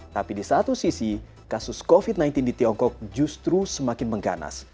tapi di satu sisi kasus covid sembilan belas di tiongkok justru semakin mengganas